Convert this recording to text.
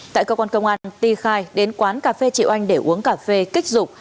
tại cơ quan công an ti khai đến quán cà phê chị oanh để uống cà phê kích dục